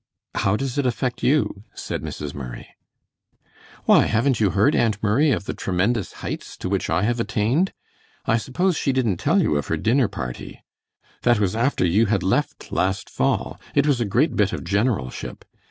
"How does it affect you?" said Mrs. Murray. "Why, haven't you heard, Aunt Murray, of the tremendous heights to which I have attained? I suppose she didn't tell you of her dinner party. That was after you had left last fall. It was a great bit of generalship.